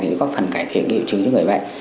thì có phần cải thiện hiệu chứng cho người bệnh